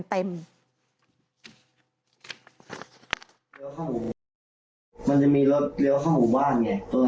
เข้าหูมันจะมีรถเลี้ยวเข้าหมู่บ้านไง